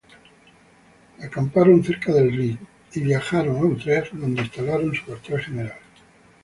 Acamparon cerca del Rin y viajaron a Utrecht, donde instalaron su cuartel general.